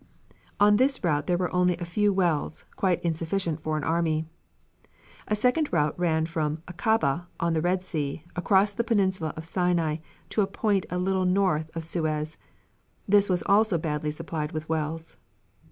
On this route there were only a few wells, quite insufficient for an army. A second route ran from Akaba, on the Red Sea, across the Peninsula of Sinai to a point a little north of Suez. This was also badly supplied with wells.